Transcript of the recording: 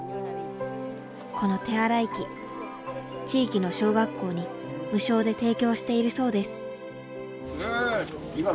この手洗い器地域の小学校に無償で提供しているそうです。